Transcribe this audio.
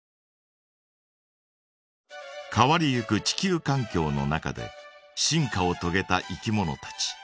変わりゆく地球かん境の中で進化をとげたいきものたち。